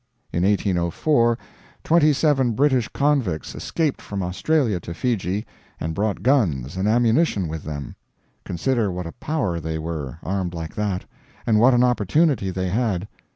In 1804 twenty seven British convicts escaped from Australia to Fiji, and brought guns and ammunition with them. Consider what a power they were, armed like that, and what an opportunity they had.